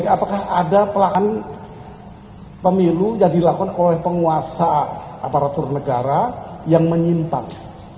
apakah ada pelan pemilu yang dilakukan oleh penguasa aparatur negara yang menyimpang